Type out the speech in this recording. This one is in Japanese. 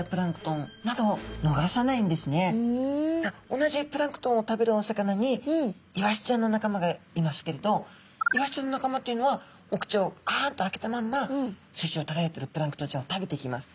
同じプランクトンを食べるお魚にイワシちゃんの仲間がいますけれどイワシちゃんの仲間というのはお口をあんと開けたまんま水中をただよっているプランクトンちゃんを食べていきます。